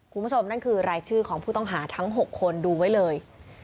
คุณผู้ชมนั่นคือรายชื่อของผู้ต้องหาทั้ง๖คนดูไว้เลย